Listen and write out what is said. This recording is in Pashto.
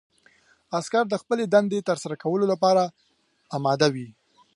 عسکر د خپلې دندې ترسره کولو لپاره اماده وي.